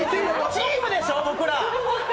チームでしょう、僕ら。